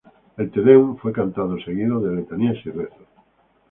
El "Te Deum" fue cantado, seguido de letanías y rezos.